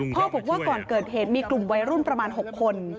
บอกว่าก่อนเกิดเหตุมีกลุ่มวัยรุ่นประมาณ๖คน